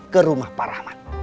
ke rumah pak rahman